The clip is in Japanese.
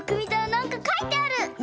なんかかいてある？